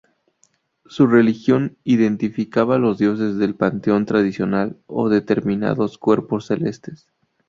Su religión identificaba los dioses del panteón tradicional a determinados cuerpos celestes.